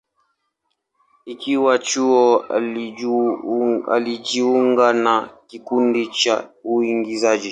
Akiwa chuo, alijiunga na kikundi cha uigizaji.